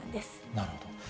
なるほど。